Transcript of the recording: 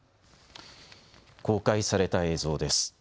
公開された映像です。